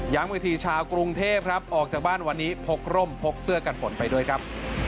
อีกทีชาวกรุงเทพครับออกจากบ้านวันนี้พกร่มพกเสื้อกันฝนไปด้วยครับ